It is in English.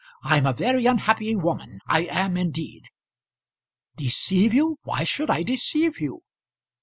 I'm a very unhappy woman; I am indeed." "Deceive you! Why should I deceive you?"